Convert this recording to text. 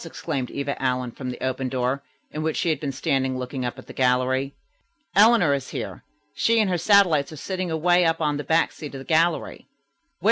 exclaimed Eva Allen from the open door, in which she had been standing looking up at the gallery. "Eleanor is here. She and her satellites are sitting away up on the back seat of the gallery." "Where?"